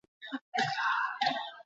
Beste jokalari batzuk ditugu.